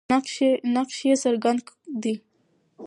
نقش یې څرګند دی.